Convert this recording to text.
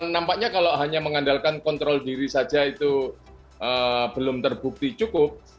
nampaknya kalau hanya mengandalkan kontrol diri saja itu belum terbukti cukup